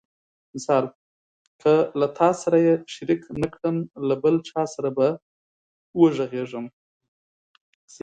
که له تا سره یې شریک نه کړم له بل چا سره به وغږېږم.